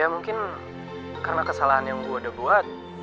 ya mungkin karena kesalahan yang gue udah buat